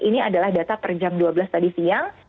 ini adalah data per jam dua belas tadi siang